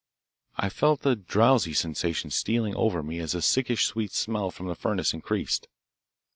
I felt a drowsy sensation stealing over me as the sickish sweet smell from the furnace increased.